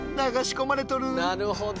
なるほど。